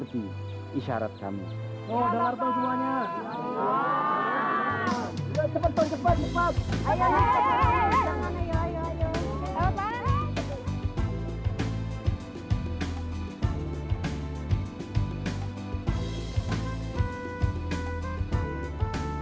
kita harus berpengalaman